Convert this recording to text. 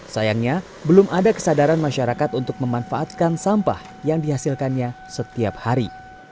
sayangnya belum ada kesadaran masyarakat untuk memanfaatkan sampah yang dihasilkannya setiap hari